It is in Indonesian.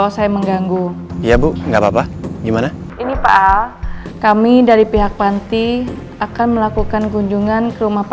sampai jumpa di video selanjutnya